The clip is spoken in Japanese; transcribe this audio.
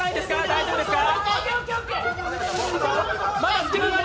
大丈夫ですか？